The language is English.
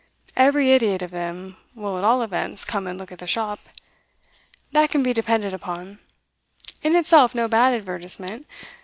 Every idiot of them will, at all events, come and look at the shop; that can be depended upon; in itself no bad advertisement.